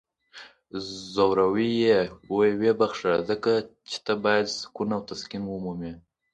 ځورولی یی یې؟ ویې بخښه. ځکه چی ته باید سکون او تسکین ومومې!